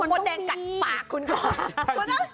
มดแดงกัดปากคุณก่อน